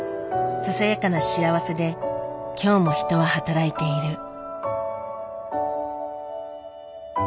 ささやかな幸せで今日も人は働いている。